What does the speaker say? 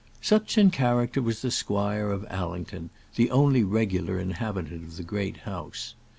Such in character was the squire of Allington, the only regular inhabitant of the Great House.